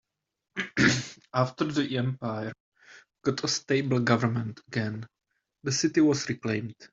After the empire got a stable government again, the city was reclaimed.